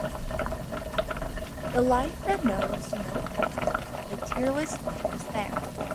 The life that knows no ending, the tearless life is there.